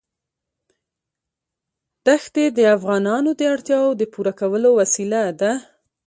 ښتې د افغانانو د اړتیاوو د پوره کولو وسیله ده.